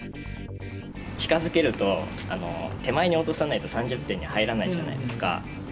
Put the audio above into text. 手前に落とさないと３０点に入らないじゃないですか。